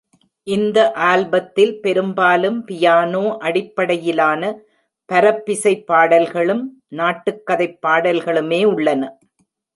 இந்த ஆல்பத்தில் பெரும்பாலும் பியானோ-அடிப்படையிலான பரப்பிசைப் பாடல்களும், நாட்டுக்கதைப் பாடல்களுமே உள்ளன.